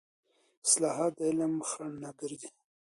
اصطلاحات د علم خنډ نه ګرځي.